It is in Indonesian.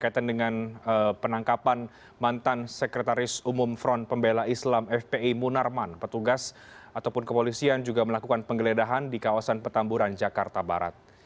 kaitan dengan penangkapan mantan sekretaris umum front pembela islam fpi munarman petugas ataupun kepolisian juga melakukan penggeledahan di kawasan petamburan jakarta barat